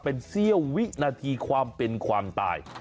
เป็นเสี้ยววินาทีความเป็นความตาย